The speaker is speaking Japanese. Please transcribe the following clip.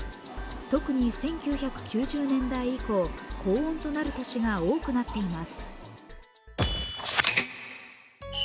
特に１９９０年代以降、高温となる年が多くなっています。